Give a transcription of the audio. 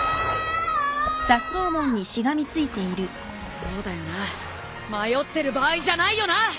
そうだよな迷ってる場合じゃないよな。